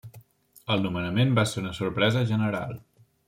El nomenament va ser una sorpresa general.